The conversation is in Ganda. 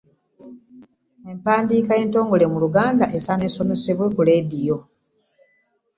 Empandiika entongole mu luganda esaana esomesebwe ku leediyo.